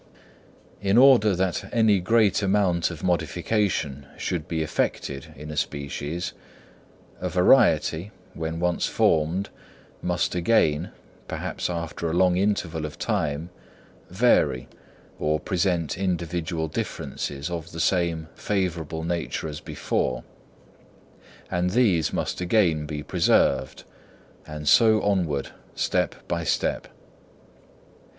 In order that any great amount of modification should be effected in a species, a variety, when once formed must again, perhaps after a long interval of time, vary or present individual differences of the same favourable nature as before; and these must again be preserved, and so onward, step by step.